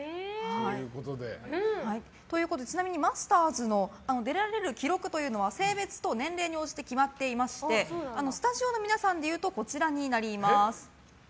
ちなみにマスターズに出られる記録というのは性別や年齢によって決まっていましてスタジオの皆さんでいうとこちらになります。